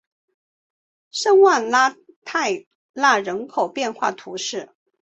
圣旺拉泰讷人口变化图示